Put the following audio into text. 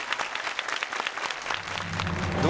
どう？